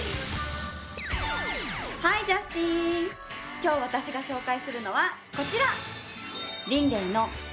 今日私が紹介するのはこちら！